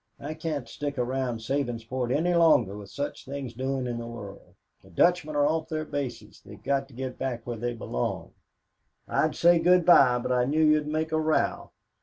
I can't stick around Sabinsport any longer with such things doin' in the world. The Dutchmen are off their bases they've got to get back where they belong. "I'd said good by but I knew you'd make a row.